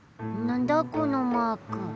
なんだこのマーク。